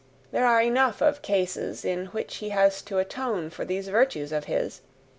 there are enough of cases in which he has to atone for these virtues of his!